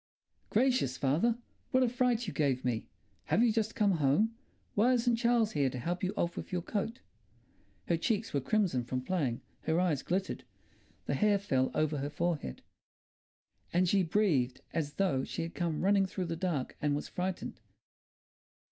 "Gracious, father! What a fright you gave me! Have you just come home? Why isn't Charles here to help you off with your coat?" Her cheeks were crimson from playing, her eyes glittered, the hair fell over her forehead. And she breathed as though she had come running through the dark and was frightened.